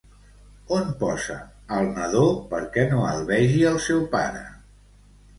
On posa al nadó perquè no el vegi el seu pare?